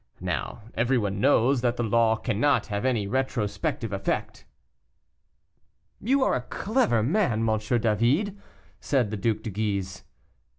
Now, everyone knows that the law cannot have any retrospective effect." "You are a clever man, M. David," said the Duc de Guise.